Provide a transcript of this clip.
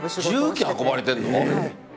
重機運ばれてるの？